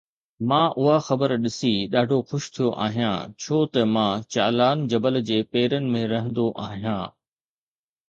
مان اها خبر ڏسي ڏاڍو خوش ٿيو آهيان ڇو ته مان چالان جبل جي پيرن ۾ رهندو آهيان